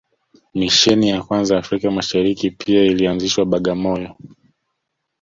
Misheni ya kwanza Afrika Mashariki pia ilianzishwa Bagamoyo